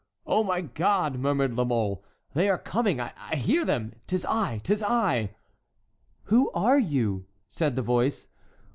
"Oh, my God!" murmured La Mole; "they are coming, I hear them; 'tis I—'tis I!" "Who are you?" said the voice.